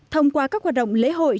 thông qua các hoạt động lễ hội